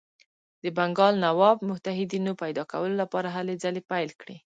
د بنګال نواب متحدینو پیدا کولو لپاره هلې ځلې پیل کړې.